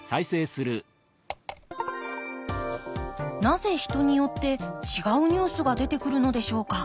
なぜ人によって違うニュースが出てくるのでしょうか。